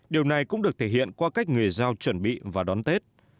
điều này cũng được thể hiện qua cách người giao chuẩn bị và đón tết